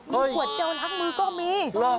มีขวดเจลล้างมือก็มี